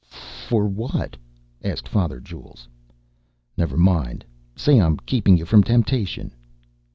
"For what?" asked father Jules. "Never mind. Say I'm keeping you from temptation."